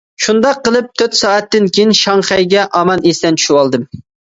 شۇنداق قىلىپ تۆت سائەتتىن كېيىن شاڭخەيگە ئامان ئېسەن چۈشىۋالدىم.